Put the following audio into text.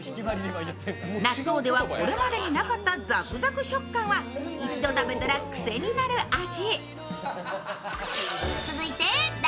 納豆では、これまでになかったザクザク食感は一度食べたら癖になる味。